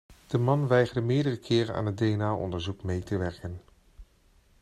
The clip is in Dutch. De man weigerde meerdere keren aan het DNA-onderzoek mee te werken.